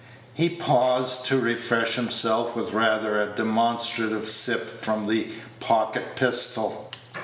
He paused to refresh himself with rather a demonstrative sip from the pocket pistol.